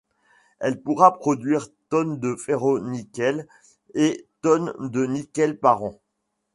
Elle pourra produire tonnes de ferro-nickel et tonnes de nickel par an.